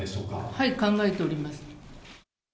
はい、考えております。